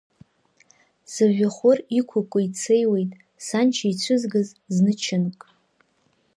Сыжәҩахыр иқәу кәеи-цеиуеит, саншьа ицәызгаз зны чынк.